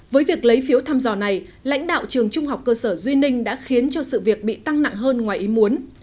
với việc lấy phiếu thăm dò này lãnh đạo trường trung học cơ sở duy ninh đã khiến cho sự việc bị tăng nặng hơn ngoài ý muốn